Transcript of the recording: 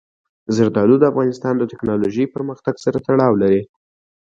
زردالو د افغانستان د تکنالوژۍ پرمختګ سره تړاو لري.